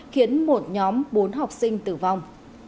khiến một nhóm bốn học sinh tử vong